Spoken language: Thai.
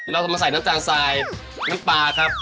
แล้วเรามาใส่น้ำจานซายน้ำปลาครับ